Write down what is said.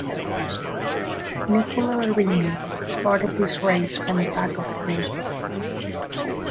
Nicola Larini started this race from the back of the grid.